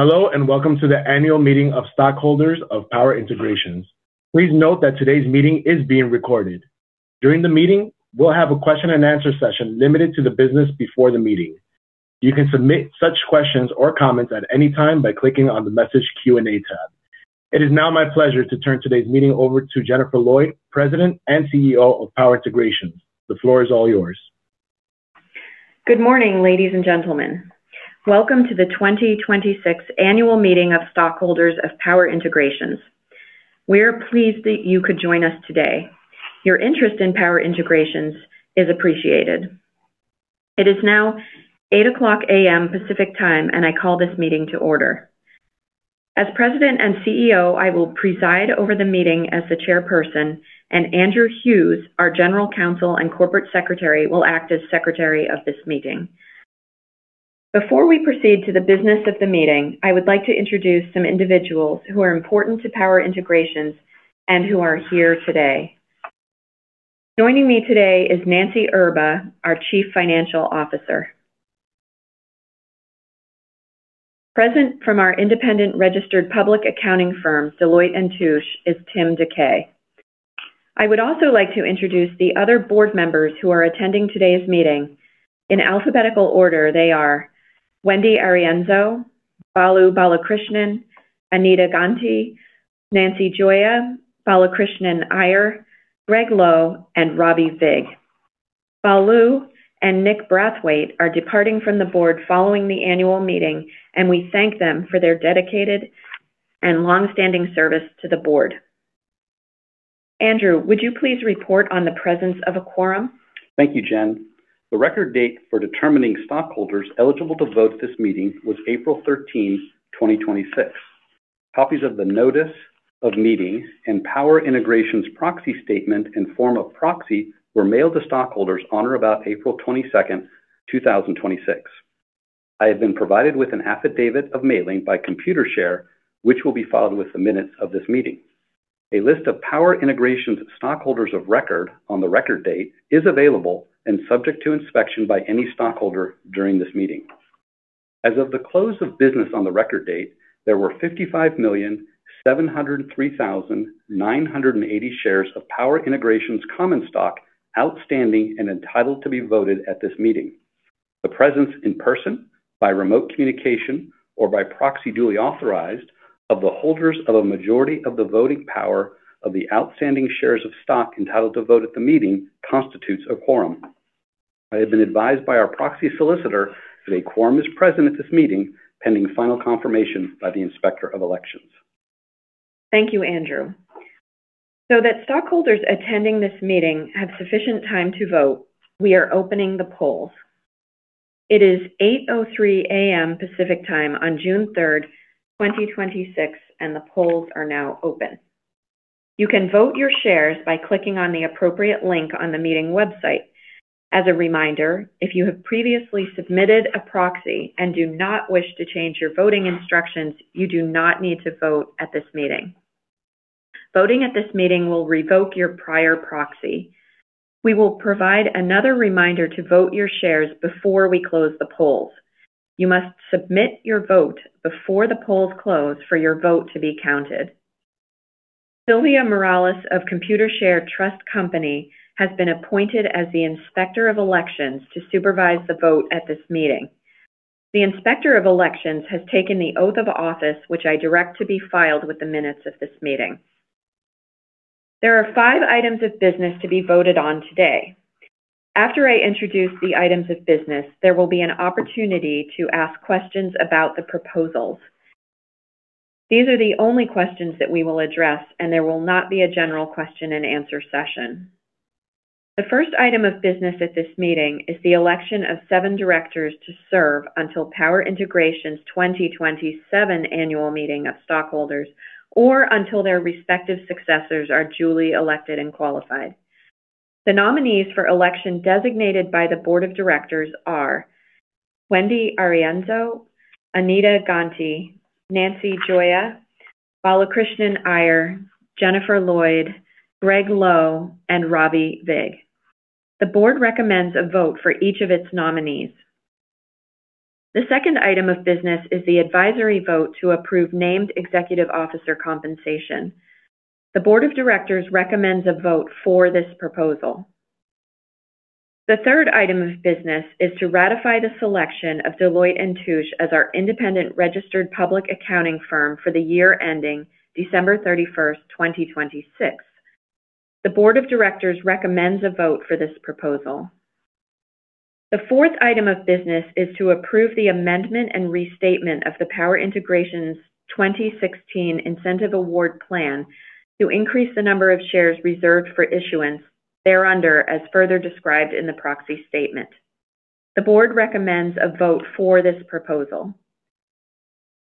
Hello, and welcome to the annual meeting of stockholders of Power Integrations. Please note that today's meeting is being recorded. During the meeting, we'll have a question-and-answer session limited to the business before the meeting. You can submit such questions or comments at any time by clicking on the Message Q&A tab. It is now my pleasure to turn today's meeting over to Jennifer Lloyd, President and CEO of Power Integrations. The floor is all yours. Good morning, ladies and gentlemen. Welcome to the 2026 annual meeting of stockholders of Power Integrations. We are pleased that you could join us today. Your interest in Power Integrations is appreciated. It is now 8:00 A.M. Pacific Time, and I call this meeting to order. As President and CEO, I will preside over the meeting as the chairperson, and Andrew Hughes, our General Counsel and Corporate Secretary, will act as Secretary of this meeting. Before we proceed to the business of the meeting, I would like to introduce some individuals who are important to Power Integrations and who are here today. Joining me today is Nancy Erba, our Chief Financial Officer. Present from our independent registered public accounting firm, Deloitte & Touche, is Tim DeKay. I would also like to introduce the other board members who are attending today's meeting. In alphabetical order, they are Wendy Arienzo, Balu Balakrishnan, Anita Ganti, Nancy Gioia, Balakrishnan Iyer, Gregg Lowe, and Ravi Vig. Balu and Nick Brathwaite are departing from the board following the annual meeting. We thank them for their dedicated and longstanding service to the board. Andrew, would you please report on the presence of a quorum? Thank you, Jen. The record date for determining stockholders eligible to vote at this meeting was April 13th, 2026. Copies of the notice of meetings and Power Integrations proxy statement and form of proxy were mailed to stockholders on or about April 22nd, 2026. I have been provided with an affidavit of mailing by Computershare, which will be filed with the minutes of this meeting. A list of Power Integrations stockholders of record on the record date is available and subject to inspection by any stockholder during this meeting. As of the close of business on the record date, there were 55,703,980 shares of Power Integrations common stock outstanding and entitled to be voted at this meeting. The presence in person, by remote communication, or by proxy duly authorized, of the holders of a majority of the voting power of the outstanding shares of stock entitled to vote at the meeting constitutes a quorum. I have been advised by our proxy solicitor that a quorum is present at this meeting, pending final confirmation by the Inspector of Elections. Thank you, Andrew. That stockholders attending this meeting have sufficient time to vote, we are opening the polls. It is 8:03 A.M. Pacific Time on June 3rd, 2026, and the polls are now open. You can vote your shares by clicking on the appropriate link on the meeting website. As a reminder, if you have previously submitted a proxy and do not wish to change your voting instructions, you do not need to vote at this meeting. Voting at this meeting will revoke your prior proxy. We will provide another reminder to vote your shares before we close the polls. You must submit your vote before the polls close for your vote to be counted. Sylvia Morales of Computershare Trust Company has been appointed as the Inspector of Elections to supervise the vote at this meeting. The Inspector of Elections has taken the oath of office, which I direct to be filed with the minutes of this meeting. There are five items of business to be voted on today. After I introduce the items of business, there will be an opportunity to ask questions about the proposals. These are the only questions that we will address. There will not be a general question and answer session. The first item of business at this meeting is the election of seven directors to serve until Power Integrations' 2027 annual meeting of stockholders, or until their respective successors are duly elected and qualified. The nominees for election designated by the board of directors are Wendy Arienzo, Anita Ganti, Nancy Gioia, Balakrishnan Iyer, Jennifer Lloyd, Gregg Lowe, and Ravi Vig. The board recommends a vote for each of its nominees. The second item of business is the advisory vote to approve named executive officer compensation. The board of directors recommends a vote for this proposal. The third item of business is to ratify the selection of Deloitte & Touche as our independent registered public accounting firm for the year ending December 31st, 2026. The board of directors recommends a vote for this proposal. The fourth item of business is to approve the amendment and restatement of the Power Integrations 2016 Incentive Award Plan to increase the number of shares reserved for issuance thereunder, as further described in the proxy statement. The board recommends a vote for this proposal.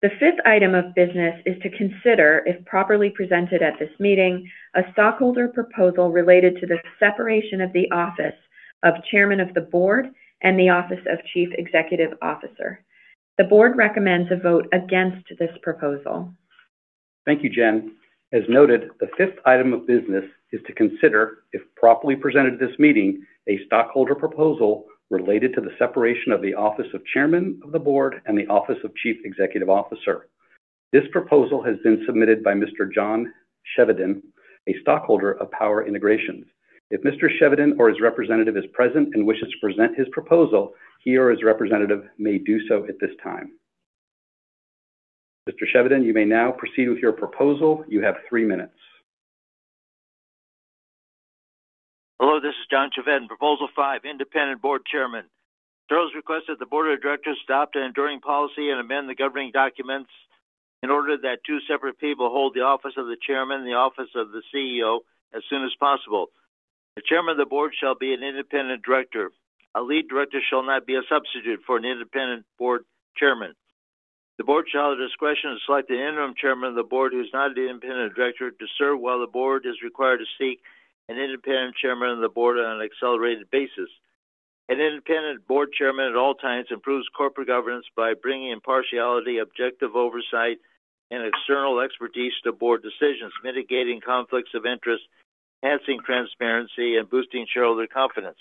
The fifth item of business is to consider, if properly presented at this meeting, a stockholder proposal related to the separation of the office of Chairman of the Board and the office of Chief Executive Officer. The board recommends a vote against this proposal. Thank you, Jen. As noted, the fifth item of business is to consider, if properly presented at this meeting, a stockholder proposal related to the separation of the office of chairman of the board and the office of chief executive officer. This proposal has been submitted by Mr. John Chevedden, a stockholder of Power Integrations. If Mr. Chevedden or his representative is present and wishes to present his proposal, he or his representative may do so at this time. Mr. Chevedden, you may now proceed with your proposal. You have three minutes. Hello, this is John Chevedden. Proposal 5: independent board chairman. Shareholders request that the board of directors adopt an enduring policy and amend the governing documents in order that two separate people hold the office of the chairman and the office of the CEO as soon as possible. The chairman of the board shall be an independent director. A lead director shall not be a substitute for an independent board chairman. The board shall, at its discretion, select the interim chairman of the board, who is not an independent director, to serve while the board is required to seek an independent chairman of the board on an accelerated basis. An independent board chairman at all times improves corporate governance by bringing impartiality, objective oversight, and external expertise to board decisions, mitigating conflicts of interest, enhancing transparency, and boosting shareholder confidence.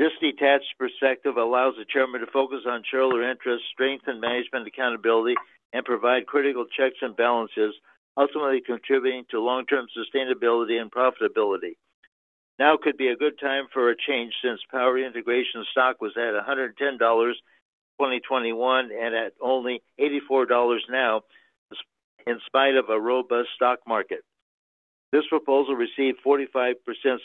This detached perspective allows the chairman to focus on shareholder interests, strengthen management accountability, and provide critical checks and balances, ultimately contributing to long-term sustainability and profitability. Could be a good time for a change, since Power Integrations stock was at $110 in 2021 and at only $84 now, in spite of a robust stock market. This proposal received 45%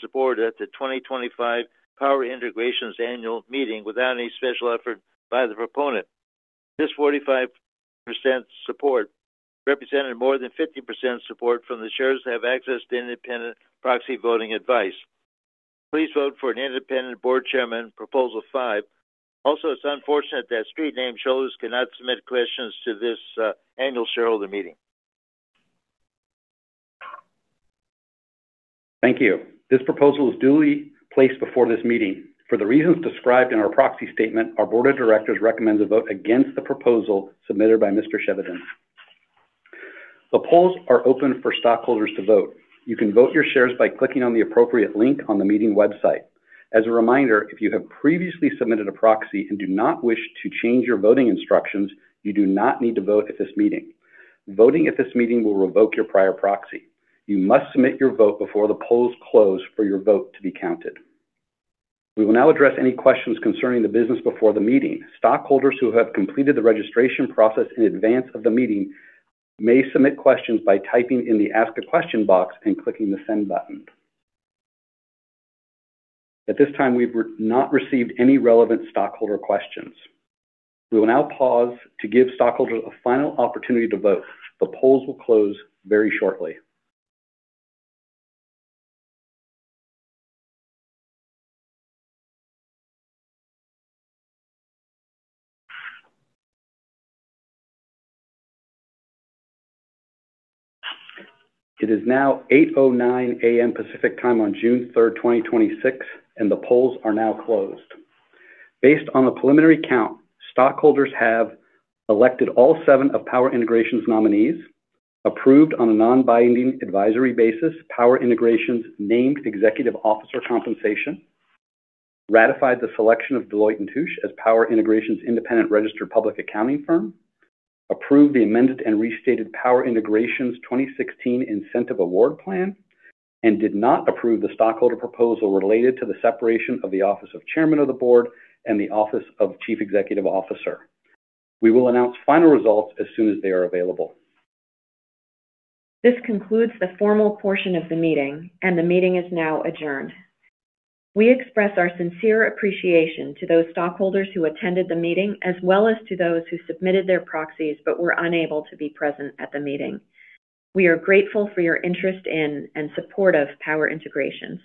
support at the 2025 Power Integrations annual meeting without any special effort by the proponent. This 45% support represented more than 50% support from the shareholders that have access to independent proxy voting advice. Please vote for an independent board chairman, Proposal 5. Also, it's unfortunate that street name shareholders cannot submit questions to this annual shareholder meeting. Thank you. This proposal is duly placed before this meeting. For the reasons described in our proxy statement, our board of directors recommend a vote against the proposal submitted by Mr. Chevedden. The polls are open for stockholders to vote. You can vote your shares by clicking on the appropriate link on the meeting website. As a reminder, if you have previously submitted a proxy and do not wish to change your voting instructions, you do not need to vote at this meeting. Voting at this meeting will revoke your prior proxy. You must submit your vote before the polls close for your vote to be counted. We will now address any questions concerning the business before the meeting. Stockholders who have completed the registration process in advance of the meeting may submit questions by typing in the Ask a Question box and clicking the Send button. At this time, we've not received any relevant stockholder questions. We will now pause to give stockholders a final opportunity to vote. The polls will close very shortly. It is now 8:09 A.M. Pacific Time on June 3rd, 2026, and the polls are now closed. Based on a preliminary count, stockholders have elected all seven of Power Integrations nominees, approved on a non-binding advisory basis Power Integrations' named executive officer compensation, ratified the selection of Deloitte & Touche as Power Integrations' independent registered public accounting firm, approved the amended and restated Power Integrations, Inc. 2016 Incentive Award Plan, and did not approve the stockholder proposal related to the separation of the office of chairman of the board and the office of chief executive officer. We will announce final results as soon as they are available. This concludes the formal portion of the meeting, and the meeting is now adjourned. We express our sincere appreciation to those stockholders who attended the meeting, as well as to those who submitted their proxies but were unable to be present at the meeting. We are grateful for your interest in and support of Power Integrations.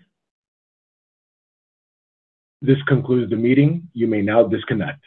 This concludes the meeting. You may now disconnect.